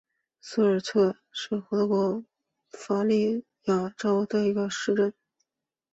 苏尔策莫斯是德国巴伐利亚州的一个市镇。